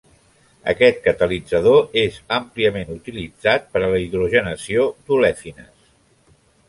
Aquest catalitzador és àmpliament utilitzat per a la hidrogenació d'olefines.